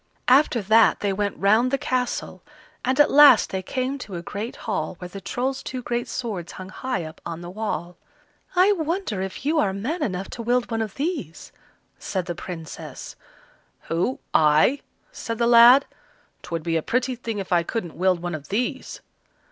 After that they went round the castle, and at last they came to a great hall, where the Trolls' two great swords hung high up on the wall. "I wonder if you are man enough to wield one of these," said the Princess. "Who? I?" said the lad. "'Twould be a pretty thing if I couldn't wield one of these."